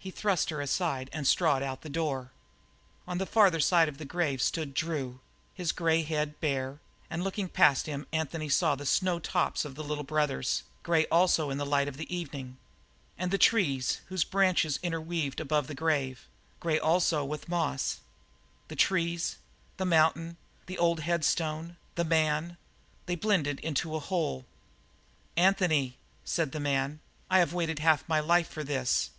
He thrust her aside and strode out through the door. On the farther side of the grave stood Drew, his grey head bare, and looking past him Anthony saw the snow clad tops of the Little Brother, grey also in the light of the evening. And the trees whose branches interwove above the grave grey also with moss. The trees, the mountain, the old headstone, the man they blended into a whole. "Anthony!" said the man, "I have waited half my life for this!"